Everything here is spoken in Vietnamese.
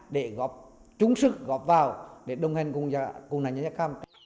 để trúng sức gọp vào để đồng hành cùng nạn nhân da cam